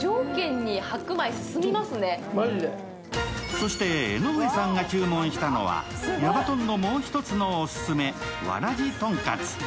そして江上さんが注文したのは矢場とんのもう一つのオススメ、わらじとんかつ。